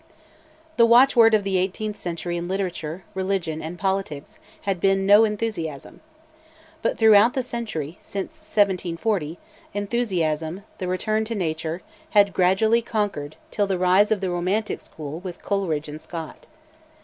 The watchword of the eighteenth century in literature, religion, and politics had been "no enthusiasm." But throughout the century, since 1740, "enthusiasm," "the return to nature," had gradually conquered till the rise of the Romantic school with Coleridge and Scott.